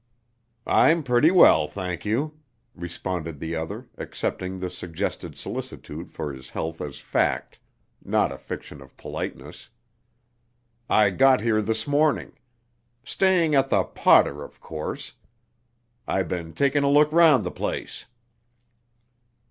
"I'm pretty well, thank you," responded the other, accepting the suggested solicitude for his health as fact, not a fiction of politeness. "I got here this morning. Staying at the Potter, of course. I been taking a look round the place."